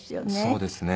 そうですね。